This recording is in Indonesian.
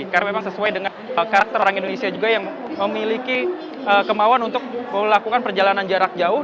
karena memang sesuai dengan karakter orang indonesia juga yang memiliki kemauan untuk melakukan perjalanan jarak jauh